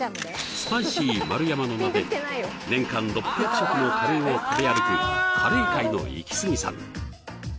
スパイシー丸山の名で年間６００食のカレーを食べ歩くカレー界のイキスギさん